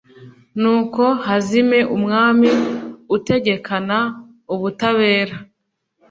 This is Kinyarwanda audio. Nuko hazime umwami utegekana ubutabera,